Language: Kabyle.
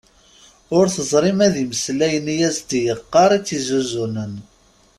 Ur teẓri ma d imeslayen i as-yeqqar i tt-isuzunen.